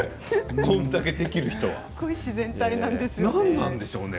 こんだけできる人何なんでしょうね。